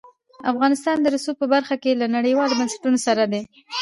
افغانستان د رسوب په برخه کې له نړیوالو بنسټونو سره دی.